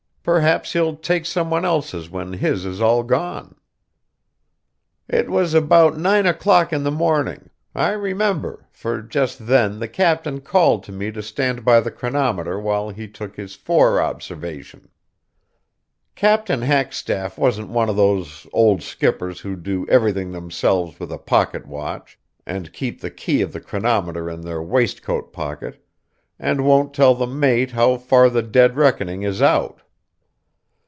"Perhaps he'll take some one else's when his is all gone." It was about nine o'clock in the morning, I remember, for just then the captain called to me to stand by the chronometer while he took his fore observation. Captain Hackstaff wasn't one of those old skippers who do everything themselves with a pocket watch, and keep the key of the chronometer in their waistcoat pocket, and won't tell the mate how far the dead reckoning is out.